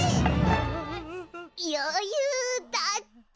よゆうだって。